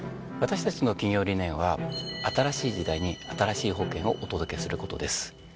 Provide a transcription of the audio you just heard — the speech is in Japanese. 私たちの企業理念は新しい時代に新しい保険をお届けすることです。